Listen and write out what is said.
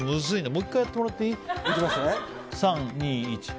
もう１回やってもらっていい？